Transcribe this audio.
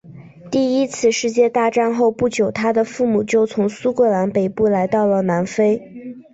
第一次世界大战后不久他的父母就从苏格兰北部来到了南非。